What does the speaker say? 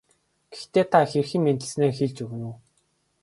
Гэхдээ та хэрхэн мэдсэнээ хэлж өгнө үү.